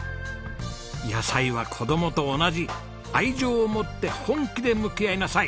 「野菜は子供と同じ愛情を持って本気で向き合いなさい」。